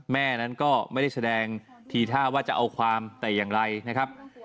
แม่นั้นก็ไม่ได้แสดงทีท่าว่าจะเอาความแต่อย่างไรนะครับ